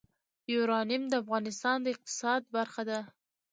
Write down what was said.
یورانیم د افغانستان د اقتصاد برخه ده.